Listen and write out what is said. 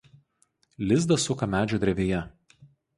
Lizdą suka medžio drevėje.